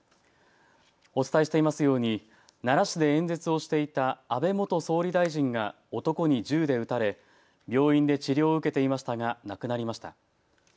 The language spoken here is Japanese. お伝えしていますように奈良市で演説をしていた安倍元総理大臣が男に銃で撃たれ病院で治療を受けていましたが亡くなりました。